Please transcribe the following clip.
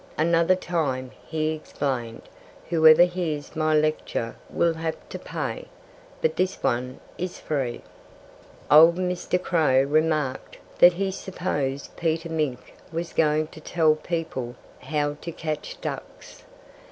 Another time," he explained, "whoever hears my lecture will have to pay. But this one is free." Old Mr. Crow remarked that he supposed Peter Mink was going to tell people how to catch ducks.